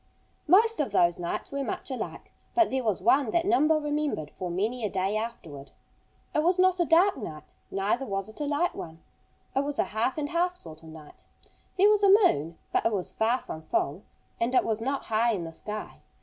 Most of those nights were much alike. But there was one that Nimble remembered for many a day afterward. It was not a dark night; neither was it a light one. It was a half and half sort of night. There was a moon. But it was far from full. And it was not high in the sky.